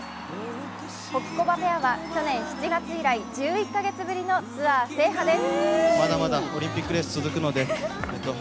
ホキコバペアは去年７月以来１１か月ぶりのツアー制覇です。